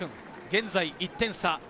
現在１点差。